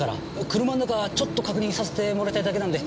車の中ちょっと確認させてもらいたいだけなんで。